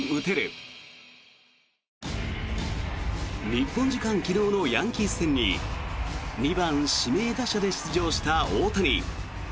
日本時間昨日のヤンキース戦に２番指名打者で出場した大谷。